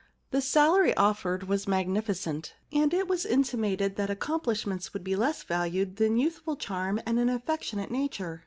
The salary oiffered was magnificent, and it was intimated that accomplishments would be less valued than youthful charm and an affectionate nature.